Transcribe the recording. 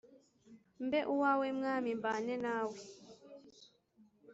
Mbe uwawe Mwami mbane nawe,